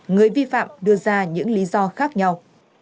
người vi phạm đưa ra những lý do khác nhau